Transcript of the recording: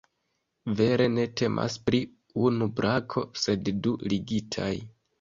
Vere ne temas pri unu brako, sed du ligitaj.